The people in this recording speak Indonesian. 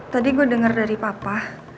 tadi gue dengar dari papa